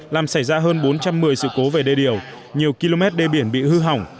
làm xảy ra hơn bốn trăm một mươi sự cố về đê điều nhiều km đê biển bị hư hỏng